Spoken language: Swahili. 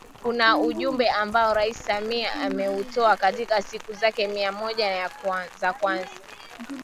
Kuna ujumbe ambao Rais Samia ameutoa katika siku zake mia moja za kwanza